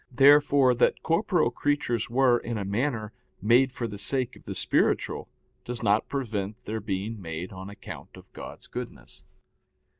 Therefore that corporeal creatures were, in a manner, made for the sake of the spiritual, does not prevent their being made on account of God's goodness.